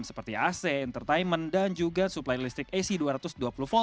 seperti ac entertainment dan juga supply listrik ac dua ratus dua puluh volt